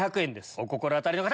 お心当たりの方！